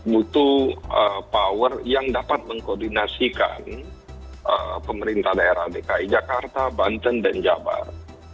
butuh power yang dapat mengkoordinasikan pemerintah daerah dki jakarta banten dan jabar